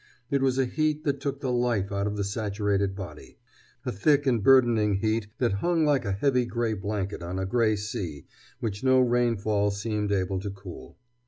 It was a heat that took the life out of the saturated body, a thick and burdening heat that hung like a heavy gray blanket on a gray sea which no rainfall seemed able to cool.